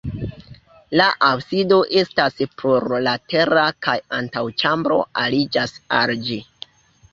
La absido estas plurlatera kaj antaŭĉambro aliĝas al ĝi.